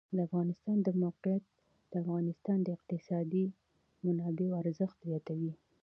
د افغانستان د موقعیت د افغانستان د اقتصادي منابعو ارزښت زیاتوي.